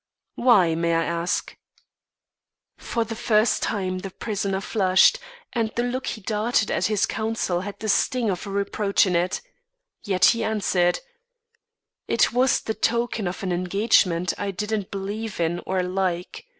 "Why, may I ask?" For the first time the prisoner flushed and the look he darted at his counsel had the sting of a reproach in it. Yet he answered: "It was the token of an engagement I didn't believe in or like.